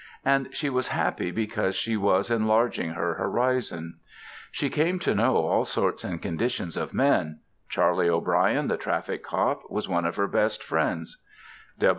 And she was happy because she was enlarging her horizon. She came to know all sorts and conditions of men; Charley O'Brien, the traffic cop, was one of her best friends.